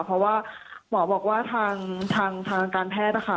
เพราะว่าหมอบอกว่าทางการแพทย์นะคะ